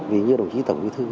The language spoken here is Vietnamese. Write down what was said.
vì như đồng chí tổng thư